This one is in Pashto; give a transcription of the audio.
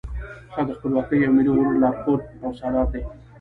هغه د خپلواکۍ او ملي غرور لارښود او سالار دی.